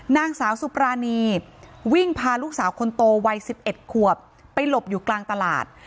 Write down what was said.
นางสาวสุปรานีวิ่งพาลูกสาวคนโตวัย๑๑ขวบไปหลบอยู่กลางตลาด